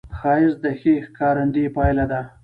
ښایست د ښې ښکارندې پایله ده